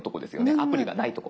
アプリがないとこ。